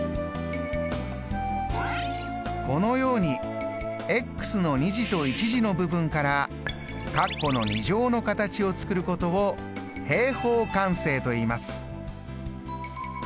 このようにの２次と１次の部分からカッコの２乗の形を作ることを平方完成といいます。